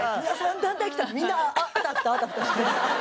団体来た！ってみんなあたふたあたふたして。